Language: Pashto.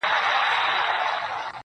راته را يې کړې په لپو کي سندرې~